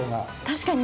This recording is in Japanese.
確かに。